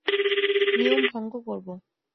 নিয়ম ভঙ্গ করব।